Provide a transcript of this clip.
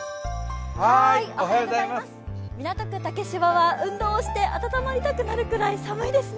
港区竹芝は運動して温まりたくなるくらい寒いですね。